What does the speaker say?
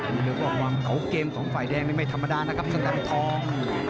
มีความเก๋าเกมของไฟแดงนี่ไม่ธรรมดานะครับสำหรับอังวัลท้อง